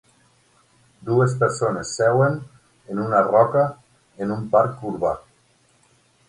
Dues persones seuen en una roca en un parc urbà.